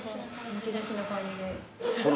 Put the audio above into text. むき出しな感じで。